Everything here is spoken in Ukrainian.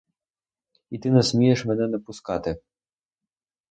І ти не смієш мене не пускати!